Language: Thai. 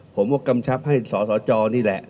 ผมก็กำชับให้สสจนี่แหละ